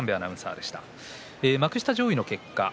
幕下上位の結果です。